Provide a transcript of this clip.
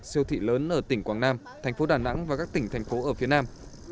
siêu thị lớn ở tỉnh quảng nam thành phố đà nẵng và các tỉnh thành phố ở phía nam